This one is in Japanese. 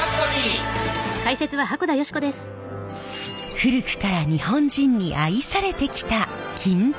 古くから日本人に愛されてきた金箔。